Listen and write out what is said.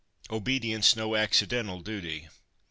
Obedience no Accidental Duty.